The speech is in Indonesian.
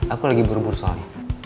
aku lagi buru buru soalnya